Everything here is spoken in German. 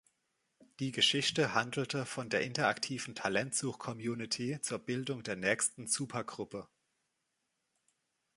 Die Geschichte handelte von der interaktiven Talentsuch-Community zur Bildung der nächsten Supergruppe.